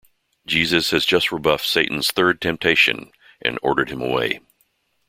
Jesus has just rebuffed Satan's third temptation and ordered him away.